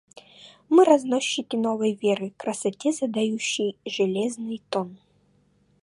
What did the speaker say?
Мы разносчики новой веры, красоте задающей железный тон.